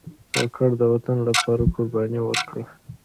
کاکړ د وطن لپاره قربانۍ ورکړي.